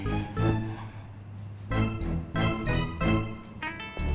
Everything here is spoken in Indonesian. anggap aja rumah lo diri